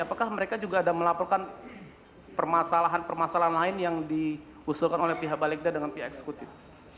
apakah mereka juga ada melaporkan permasalahan permasalahan lain yang diusulkan oleh pihak balegda dengan pihak eksekutif